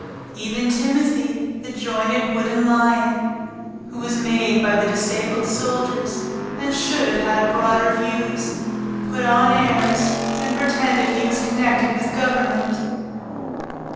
Even Timothy, the jointed wooden lion, who was made by the disabled soldiers, and should have had broader views, put on airs and pretended he was connected with Government.